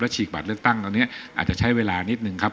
ฉีกบัตรเลือกตั้งตอนนี้อาจจะใช้เวลานิดนึงครับ